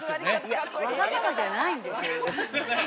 いや、わがままじゃないんです。